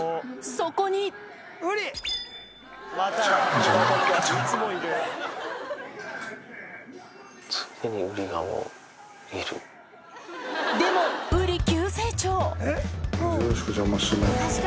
そこにでもウリ急成長！